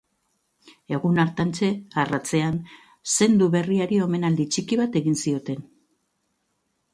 Egun hartantxe, arratsean, zendu berriari omenaldi txiki bat egin zioten.